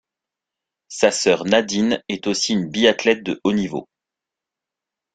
Sa sœur Nadine est aussi une biathlète de haut niveau.